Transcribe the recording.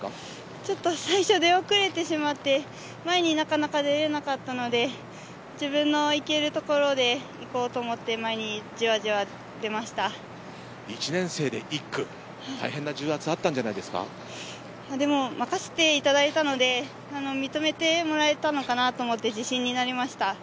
ちょっと最初出遅れてしまって前になかなか出られなかったので自分の行けるところで行こうと思って１年生で１区、大変な重圧がでも任せていただいたので認めてもらえたのかなと思って自信になりました。